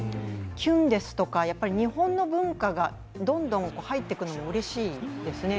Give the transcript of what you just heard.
「キュンです」とか日本の文化がどんどん入っていくのもうれしいですね。